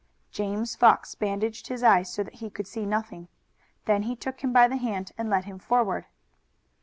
James Fox bandaged his eyes so that he could see nothing. Then he took him by the hand and led him forward.